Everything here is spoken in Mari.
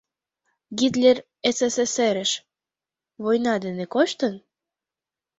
«Гитлер СССР-ыш война дене коштын?